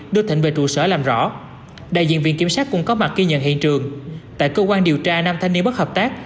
đưa thịnh về trụ sở làm rõ đại diện viện kiểm sát cũng có mặt ghi nhận hiện trường tại cơ quan điều tra năm thanh niên bất hợp tác